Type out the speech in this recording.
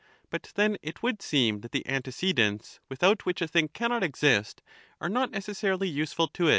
But then it would seem that the antecedents without which a thing cannot exist are not necessarily useful to it.